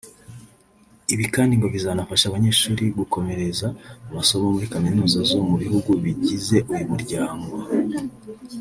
Ibi kandi ngo bizanafasha abanyeshuri gukomereza amasomo muri kaminuza zo mu bihugu bigize uyu muryango